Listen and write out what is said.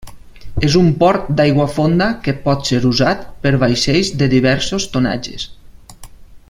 És un port d'aigua fonda que pot ser usat per vaixells de diversos tonatges.